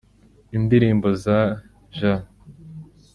Indirimbo za J